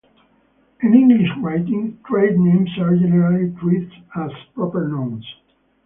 In English writing, trade names are generally treated as proper nouns.